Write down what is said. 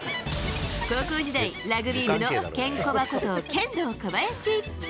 高校時代、ラグビー部のケンコバことケンドーコバヤシ。